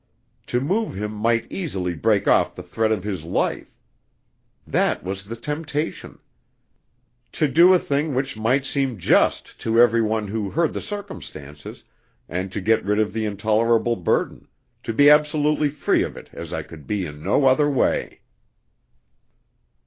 To move him might easily break off the thread of his life. That was the temptation: to do a thing which might seem just to every one who heard the circumstances, and to get rid of the intolerable burden to be absolutely free of it as I could be in no other way.